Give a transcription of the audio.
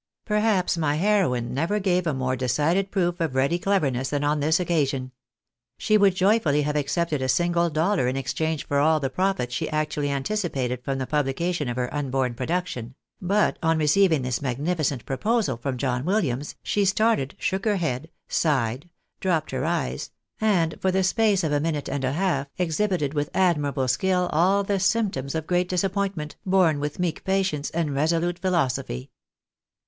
Perhaps my heroine never gave a more decided proof of ready cleverness than on this occasion. She would joyfully have accepted a single dollar in exchange for all the profit she actually anticipated fifom the publication of her unborn production ; but on receiving this magnificent proposal from John Williams, she started, shook her head, sighed, dropped her eyes, and for the space of a minute and a half, exhibited with admirable skill all the symptoms of great disappointment, borne with meek patience and resolute philosophy.